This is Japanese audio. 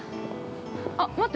◆あっ、待って。